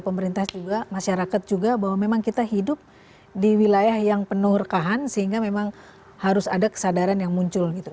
pemerintah juga masyarakat juga bahwa memang kita hidup di wilayah yang penuh rekahan sehingga memang harus ada kesadaran yang muncul gitu